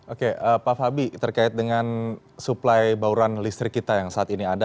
oke pak fabi terkait dengan suplai bauran listrik kita yang saat ini ada